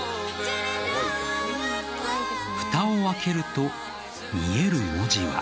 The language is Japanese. ふたを開けると見える文字は。